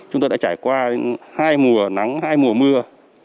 chúng tôi đã trải qua hai mùa nắng hai mùa mưa